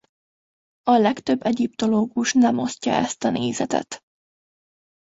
A legtöbb egyiptológus nem osztja ezt a nézetet.